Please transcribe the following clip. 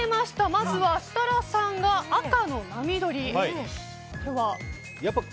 まずは設楽さんが赤の波乗り。